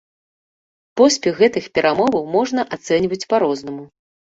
Поспех гэтых перамоваў можна ацэньваць па-рознаму.